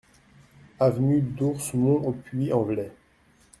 Avenue d'Ours Mons au Puy-en-Velay